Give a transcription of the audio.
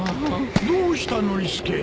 どうしたノリスケ。